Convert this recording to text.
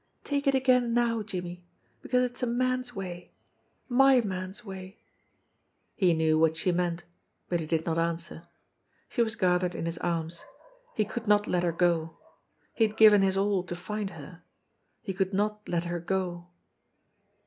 Take it again now, Jimmie because it's a man's way, my man's way." He knew what she meant, but he did not answer. She was gathered in his arms. He could not let her go. He had given his all to find her he could not let her go.